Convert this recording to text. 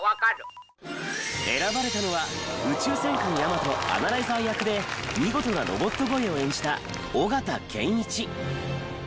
選ばれたのは『宇宙戦艦ヤマト』アナライザー役で見事なロボット声を演じた緒方賢一。